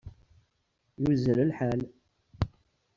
Yuzzel lḥal.